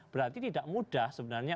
berarti tidak mudah sebenarnya